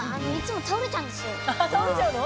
倒れちゃうの？